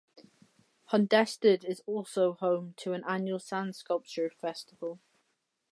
Hundested is also home to an annual sand sculpture festival.